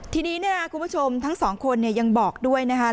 ทีนี้ทางสองคนยังบอกด้วยนะคะ